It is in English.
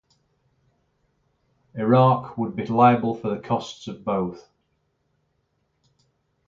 Iraq would be liable for the costs of both.